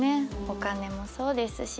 お金もそうですし